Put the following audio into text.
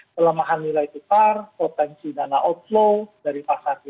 kelemahan nilai tukar potensi dana outflow dari pasar di tanah itu